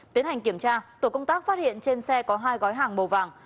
tiến hành kiểm tra tổ công tác phát hiện trên xe có hai gói hàng màu vàng